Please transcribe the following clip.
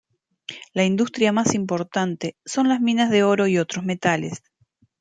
La industria más importante son las minas de oro y otros metales.